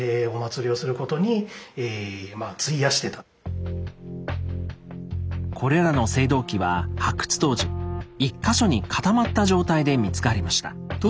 恐らく恐らくまあこれらの青銅器は発掘当時１か所に固まった状態で見つかりました。わ！